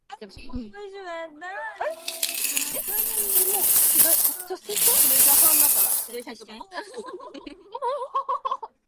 The Monymusk Reliquary is now empty.